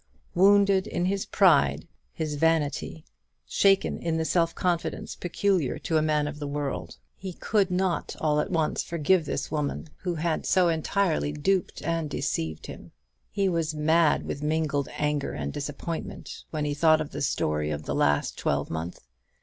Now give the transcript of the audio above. Wounded in his pride, his vanity; shaken in the self confidence peculiar to a man of the world; he could not all at once forgive this woman who had so entirely duped and deceived him. He was mad with mingled anger and disappointment when he thought of the story of the last twelve month.